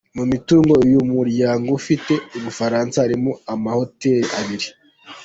Mu mitungo uyu muryango ufite mu Bufaransa harimo ama hotel abiri.